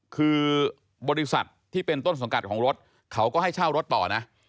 คือบริษัทที่เป็นต้นสังกัดของรถเขาก็ให้เช่ารถต่อนะ